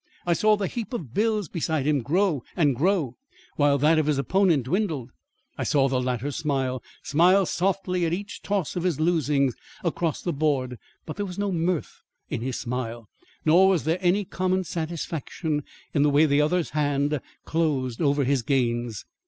I saw the heap of bills beside him grow and grow while that of his opponent dwindled. I saw the latter smile smile softly at each toss of his losings across the board; but there was no mirth in his smile, nor was there any common satisfaction in the way the other's hand closed over his gains.